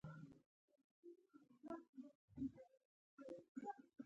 مجلسینو د هیئت له پرېکړې سـره